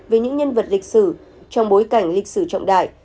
về những nhân vật lịch sử trong bối cảnh lịch sử trọng đại